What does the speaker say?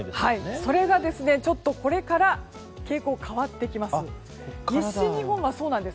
それが、これから傾向変わってきます。